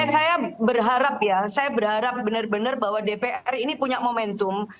saya berharap ya saya berharap benar benar bahwa dpr ini punya momentum